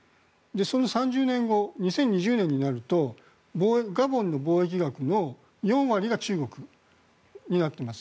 その３０年後２０２０年になるとガボンの貿易額の４割が中国になっています。